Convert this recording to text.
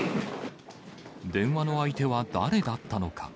電話の相手は誰だったのか。